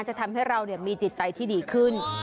จะทำให้เรามีจิตใจที่ดีขึ้น